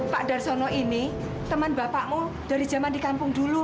pak darsono ini teman bapakmu dari zaman di kampung dulu